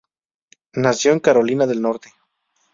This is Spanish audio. Nació en Carolina del Norte.